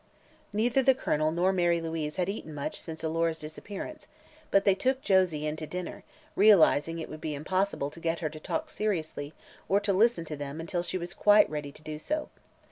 Neither the Colonel nor Mary had eaten much since Alora's disappearance, but they took Josie in to dinner, realizing it would be impossible to get her to talk seriously or to listen to them until she was quite ready to do so.